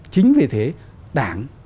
chính vì thế đảng